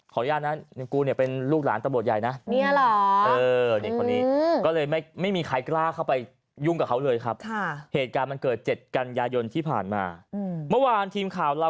อนุญาตนะกูเนี่ยเป็นลูกหลานตำรวจใหญ่นะ